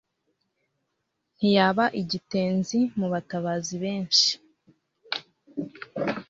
Ntiyaba igitenzi mu batabazi benshi